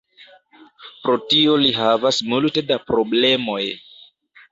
Pro tio li havas multe de problemoj.